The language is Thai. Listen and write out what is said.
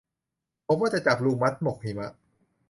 ผมว่าจะจับลุงมัดหมกหิมะ